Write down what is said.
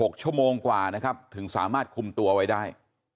ชั่วโมงกว่านะครับถึงสามารถคุมตัวไว้ได้